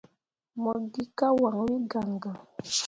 Mo gi ka wanwi gaŋgaŋ.